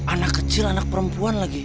anak kecil anak perempuan lagi